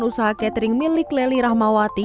usaha catering milik lely rahmawati